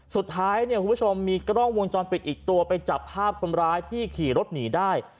สุดท้ายมีกล้องวงจรปิดอีกตัวไปจับภาพคนร้ายที่ขี่รถหนีได้